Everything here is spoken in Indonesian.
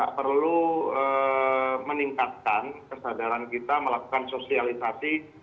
kita perlu meningkatkan kesadaran kita melakukan sosialisasi